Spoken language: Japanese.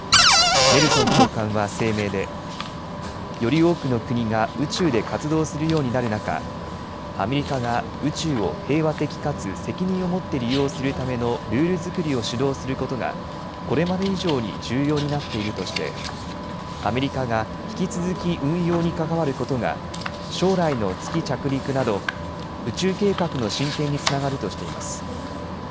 ネルソン長官は声明で、より多くの国が宇宙で活動するようになる中、アメリカが宇宙を平和的かつ責任を持って利用するためのルール作りを主導することが、これまで以上に重要になっているとして、アメリカが引き続き運用に関わることが、将来の月着陸など、宇宙計画の進展につながるとしています。